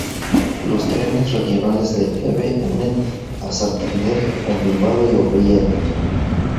Los trenes regionales de Feve unen Santander con Bilbao y Oviedo.